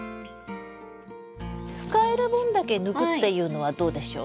使える分だけ抜くっていうのはどうでしょう？